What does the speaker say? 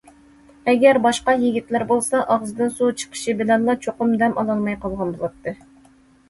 ئەگەر باشقا يىگىتلەر بولسا، ئاغزىدىن سۆز چىقىشى بىلەنلا چوقۇم دەم ئالالماي قالغان بولاتتى.